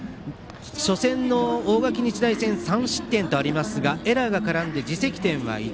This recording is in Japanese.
初戦の大垣日大戦で３失点とありますがエラーが絡んで自責点は１。